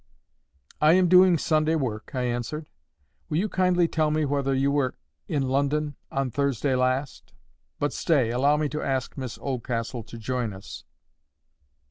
"I am doing Sunday work," I answered. "Will you kindly tell me whether you were in London on Thursday last? But stay, allow me to ask Miss Oldcastle to join us."